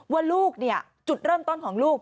ว่าลูกเนี่ยจุดเริ่มต้นของลูก